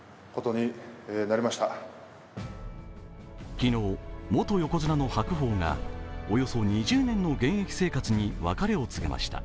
昨日、元横綱の白鵬がおよそ２０年の現役生活に別れを告げました。